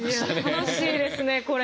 楽しいですねこれ。